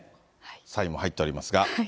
サインも入っておりますが。